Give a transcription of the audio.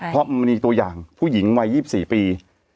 เพราะมันมีตัวอย่างผู้หญิงวัย๒๔ปี